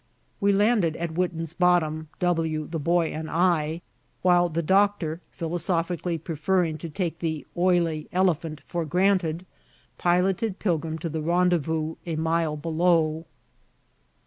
We landed at Witten's Bottom, W , the Boy, and I, while the Doctor, philosophically preferring to take the oily elephant for granted, piloted Pilgrim to the rendezvous a mile below.